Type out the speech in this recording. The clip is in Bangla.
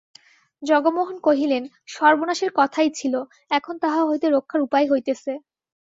জগমোহন কহিলেন, সর্বনাশের কথাই ছিল, এখন তাহা হইতে রক্ষার উপায় হইতেছে।